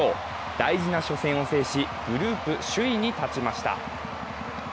大事な初戦を制し、グループ首位に立ちました。